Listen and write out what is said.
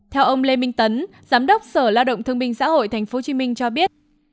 theo ông lê minh tấn giám đốc sở lao động thương minh xã hội tp hcm cho biết